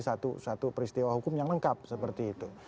jadi satu peristiwa hukum yang lengkap seperti itu